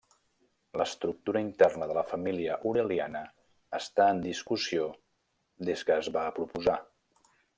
L’estructura interna de la família uraliana està en discussió des que es va proposar.